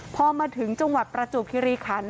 พอมาถึงจังหวัดประจวบคิริคัน